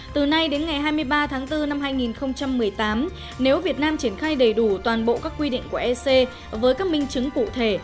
từ nay đến ngày hai mươi ba tháng bốn năm hai nghìn một mươi tám nếu việt nam triển khai đầy đủ toàn bộ các quy định của ec với các minh chứng cụ thể